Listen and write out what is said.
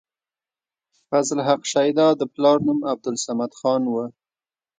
فضل حق شېدا د پلار نوم عبدالصمد خان وۀ